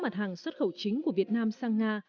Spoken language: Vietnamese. mặt hàng xuất khẩu chính của việt nam sang nga